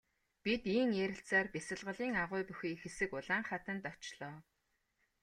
Бид ийн ярилцсаар бясалгалын агуй бүхий хэсэг улаан хаданд очлоо.